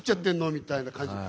みたいな感じ。